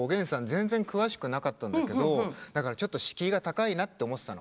全然詳しくなかったんだけどだからちょっと敷居が高いなって思ってたの。